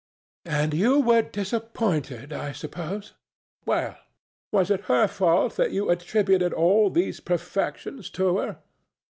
ANA. And you were disappointed, I suppose. Well, was it her fault that you attributed all these perfections to her?